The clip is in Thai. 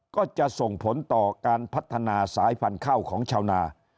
ก็จะส่งผลต่อการพัฒนาสายพันธุ์ข้าวของชาวนา